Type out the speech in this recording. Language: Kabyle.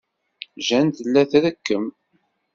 Jane tella trekkem.